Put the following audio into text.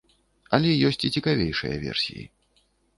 Але ёсць і цікавейшыя версіі.